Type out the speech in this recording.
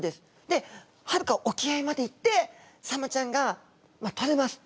ではるか沖合まで行ってサンマちゃんがとれます。